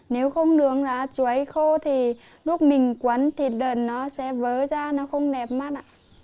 nếu không nướng đá chuối khô thì lúc mình quấn thịt đợn nó sẽ vớ ra nó không đẹp mắt